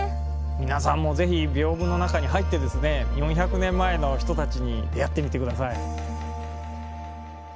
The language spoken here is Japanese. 皆さんもぜひ屏風の中に入ってですね４００年前の人たちに出会ってみてください。